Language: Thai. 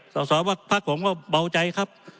สาวพักผมก็เบาใจครับ